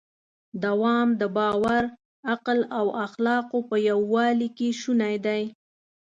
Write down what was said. دوام د باور، عقل او اخلاقو په یووالي کې شونی دی.